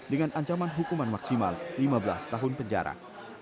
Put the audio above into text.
dengan ancaman hukuman maksimal lima belas tahun penjara